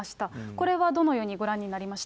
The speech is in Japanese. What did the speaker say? これはどのようにご覧になりました？